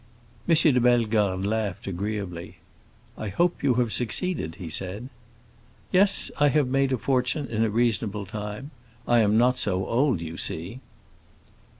M. de Bellegarde laughed agreeably. "I hope you have succeeded," he said. "Yes, I have made a fortune in a reasonable time. I am not so old, you see."